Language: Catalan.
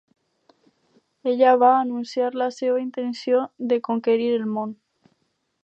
Ella va anunciar la seva intenció de conquerir el món